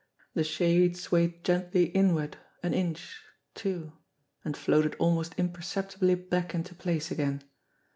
The shade swayed gently inward an inch, two and floated almost imperceptibly back into place again.